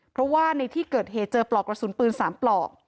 เพราะว่าในที่เกิดเหตุเจอปลอกกระสุนปืน๓ปลอก